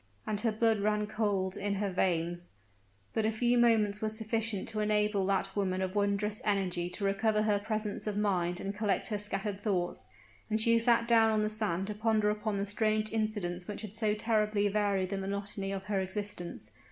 And her blood ran cold in her veins. But a few moments were sufficient to enable that woman of wondrous energy to recover her presence of mind and collect her scattered thoughts; and she sat down on the sand to ponder upon the strange incidents which had so terribly varied the monotony of her existence.